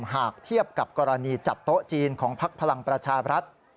หากเทียบกับกรณีจัดโต๊ะจีนของพักพลังประชาบรัฐ